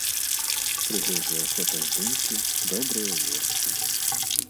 Прыгожыя фотаздымкі, добрыя вершы.